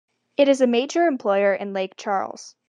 It is a major employer in Lake Charles.